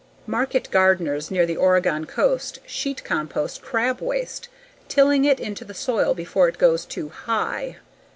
Market gardeners near the Oregon coast sheet compost crab waste, tilling it into the soil before it gets too "high."